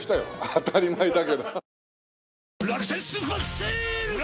当たり前だけど。